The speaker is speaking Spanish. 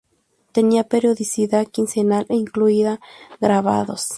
Tenía periodicidad quincenal e incluía grabados.